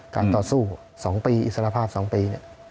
ต่อสู้๒ปีอิสระภาพ๒ปี